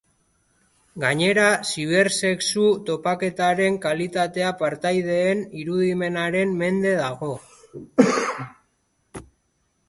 Gainera zibersexu-topaketaren kalitatea partaideen irudimenaren mende dago.